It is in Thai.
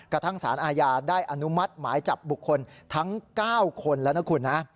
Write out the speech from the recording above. กระทั่งสารอาญาได้อนุมัติหมายจับบุคคลทั้ง๙คนแล้วนะคุณนะ